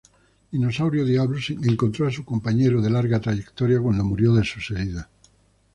Dinosaurio Diablo encontró a su compañero de larga trayectoria cuando murió de sus heridas.